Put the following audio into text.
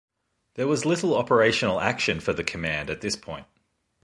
There was little operational action for the Command at this point.